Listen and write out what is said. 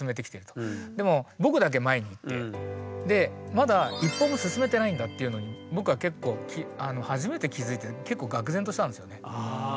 まだ一歩も進めてないんだっていうのに僕は結構初めて気づいて結構がく然としたんですよね。